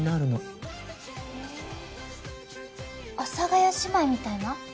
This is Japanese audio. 阿佐ヶ谷姉妹みたいな？